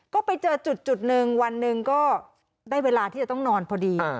ก็ไปเจอจุดหนึ่งวันหนึ่งก็ได้เวลาที่จะต้องนอนพอดี